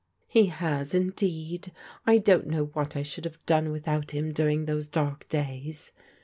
He has. indeed. I dai*t know what I should have dooe without him during those dark days.